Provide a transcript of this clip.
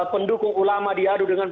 pendukung ulama diadu dengan